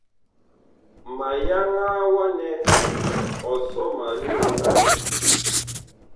Ma yaŋaa wa nɛ ɔ sɔ ma lioŋganɛ.